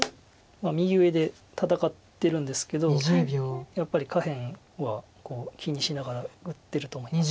右上で戦ってるんですけどやっぱり下辺は気にしながら打ってると思います。